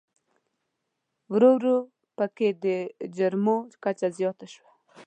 ورو ورو په کې د جرمومو کچه زیاته شوه.